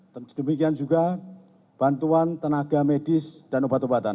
dan demikian juga bantuan tenaga medis dan obat obatan